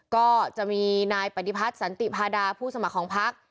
ก็จะมีนายปฏิพัฒน์สันติพาดาผู้สมัครของพัก